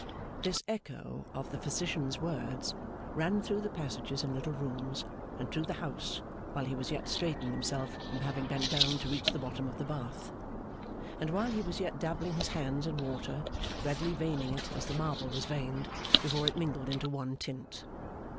This echo of the physician's words ran through the passages and little rooms, and through the house while he was yet straightening himself from having bent down to reach to the bottom of the bath, and while he was yet dabbling his hands in water; redly veining it as the marble was veined, before it mingled into one tint.